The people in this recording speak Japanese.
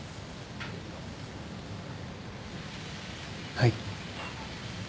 はい。